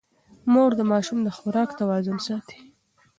مور د ماشوم د خوراک توازن ساتي.